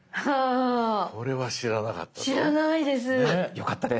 よかったです。